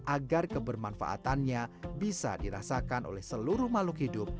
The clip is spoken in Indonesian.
agar kebermanfaatannya bisa dirasakan oleh seluruh makhluk hidup